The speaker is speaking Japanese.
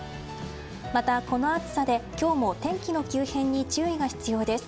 また、この暑さで今日も天気の急変に注意が必要です。